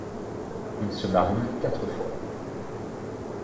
Il se marie quatre fois.